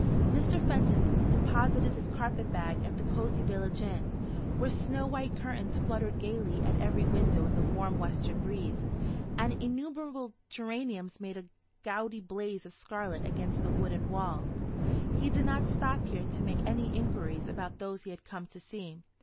Mr. Fenton deposited his carpet bag at the cosy village inn, where snow white curtains fluttered gaily at every window in the warm western breeze, and innumerable geraniums made a gaudy blaze of scarlet against the wooden wall. He did not stop here to make any inquiries about those he had come to see.